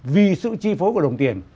vì sự chi phối của đồng tiền